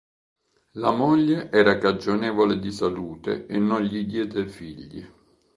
La moglie era cagionevole di salute e non gli diede figli.